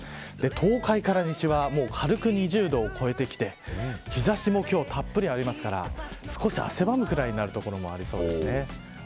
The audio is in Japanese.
東海から西は軽く２０度を超えてきて日差しもたっぷりありますから少し汗ばむような所もあります。